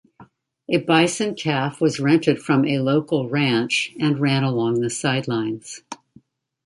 A bison calf was rented from a local ranch and ran along the sidelines.